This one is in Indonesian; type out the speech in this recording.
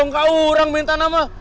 ih itu orang minta nama